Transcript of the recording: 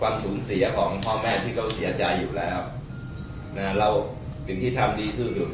ความสูญเสียของพ่อแม่ที่เขาเสียใจอยู่แล้วนะฮะเราสิ่งที่ทำดีถือหรือ